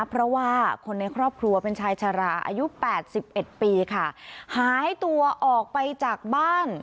เพราะว่าคนในครอบครัวเป็นชายชาราอายุ๘๑ปีค่ะหายตัวออกไปจากบ้าน